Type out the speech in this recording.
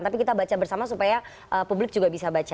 tapi kita baca bersama supaya publik juga bisa baca